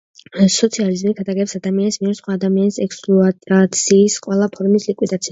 სოციალიზმი ქადაგებს ადამიანის მიერ სხვა ადამიანის ექსპლუატაციის ყველა ფორმის ლიკვიდაციას.